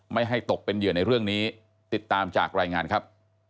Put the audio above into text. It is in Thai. ไม่ให้ตกเป็นเหยื่อในเรื่องนี้ติดตามจากรายงานครับ